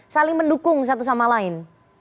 saling mendukung satu sama lain